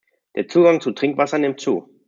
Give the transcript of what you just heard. Der Zugang zu Trinkwasser nimmt zu.